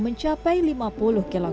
mencapai lima puluh kg